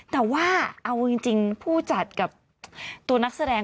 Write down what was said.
แต่ว่าเอาจริงผู้จัดกับตัวนักแสดง